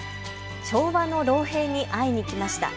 昭和の老兵に会いに行きました。